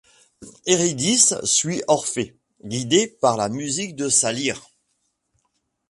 Eurydice suit Orphée, guidée par la musique de sa lyre.